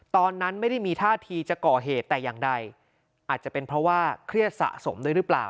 ตอนนั้นไม่ได้มีท่าทีจะก่อเหตุแต่อย่างใดอาจจะเป็นเพราะว่าเครียดสะสมด้วยหรือเปล่า